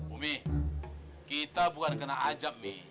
om mi kita bukan kena ajab mi